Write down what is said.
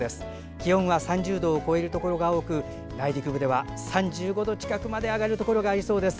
気温は３０度を超えるところが多く内陸部では３５度近くまで上がるところがありそうです。